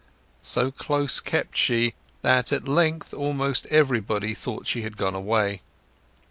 So close kept she that at length almost everybody thought she had gone away.